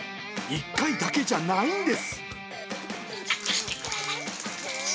１回だけじゃないんです。